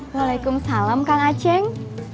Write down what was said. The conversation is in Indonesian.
waalaikumsalam kang aceh